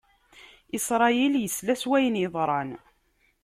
Isṛayil isla s wayen yeḍran.